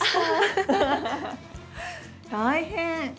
大変。